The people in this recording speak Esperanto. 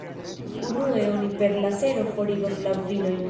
Unue oni per lasero forigos la vilojn.